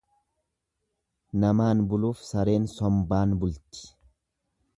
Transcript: Namaan buluuf sareen sombaan bulti.